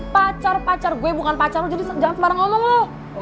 pacar pacar gue bukan pacar lo jadi jangan sembarang ngomong lo